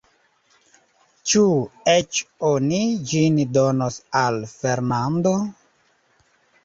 Ĉu eĉ oni ĝin donos al Fernando?